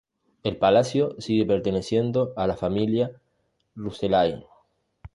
El palacio sigue perteneciendo a la familia Rucellai.